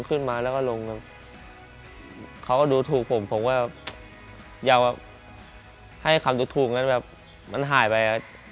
เขาก็ดูถูกผมผมก็อยากให้คำถูกมันหายไป